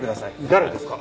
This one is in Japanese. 誰ですか？